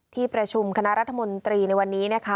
ที่ประชุมคณะรัฐมนตรีในวันนี้นะคะ